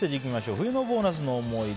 冬のボーナスの思い出